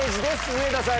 上田さん